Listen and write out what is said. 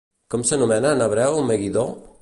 Com s'anomena en hebreu Meguidó?